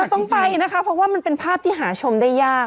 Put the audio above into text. ต้องไปนะคะเพราะว่ามันเป็นภาพที่หาชมได้ยาก